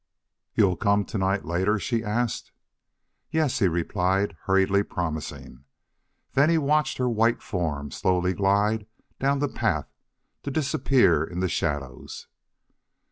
"You'll come to night later?" she asked. "Yes," he replied, hurriedly promising. Then he watched her white form slowly glide down the path to disappear in the shadows.